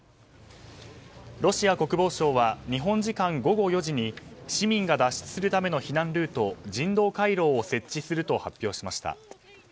ロシア国防省は日本時間午後４時に市民が脱出するための避難ルート人道回廊を設置すると発表しました。